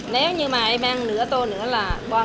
nếu như mà em ăn nửa tô nữa là ba nghìn